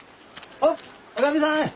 おっおかみさん！